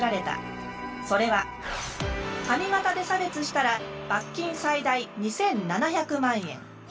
それは「髪型で差別したら罰金最大２，７００万円」。